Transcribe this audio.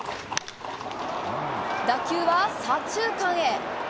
打球は左中間へ。